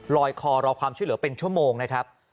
คอรอความช่วยเหลือเป็นชั่วโมงนะครับ